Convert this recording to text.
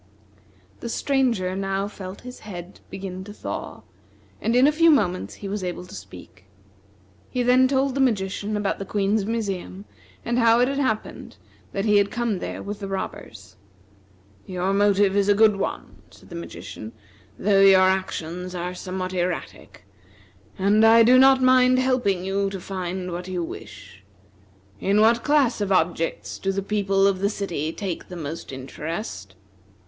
The Stranger now felt his head begin to thaw, and in a few moments he was able to speak. He then told the magician about the Queen's museum, and how it had happened that he had come there with the robbers. "Your motive is a good one," said the magician, "though your actions are somewhat erratic; and I do not mind helping you to find what you wish. In what class of objects do the people of the city take the most interest?"